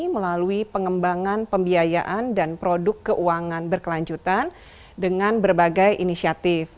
melalui pengembangan pembiayaan dan produk keuangan berkelanjutan dengan berbagai inisiatif